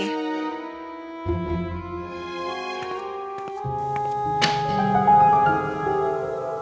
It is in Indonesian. tidak ada orang di rumah